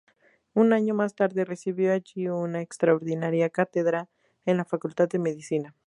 Un año más tarde recibió allí una extraordinaria cátedra en la facultad de Medicina.